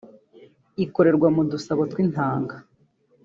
ikorerwa mu dusabo tw’intanga